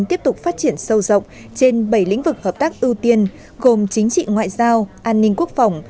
tiếp tục phát triển sâu rộng trên bảy lĩnh vực hợp tác ưu tiên gồm chính trị ngoại giao an ninh quốc phòng